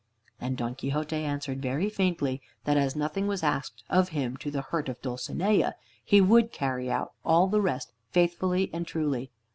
And Don Quixote answered very faintly that as nothing was asked of him to the hurt of Dulcinea, he would carry out all the rest faithfully and truly.